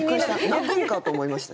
泣くんかと思いました。